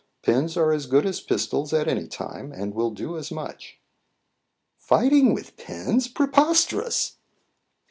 Pens are as good as pistols at any time, and will do as much." "Fighting with pens! Preposterous!"